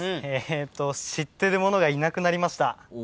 えーと知ってるものがいなくなりました。